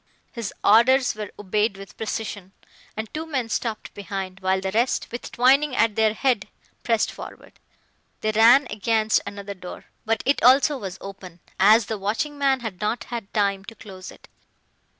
His orders were obeyed with precision, and two men stopped behind, while the rest, with Twining at their head, pressed forward. They ran against another door, but it also was open, as the watching man had not had time to close it.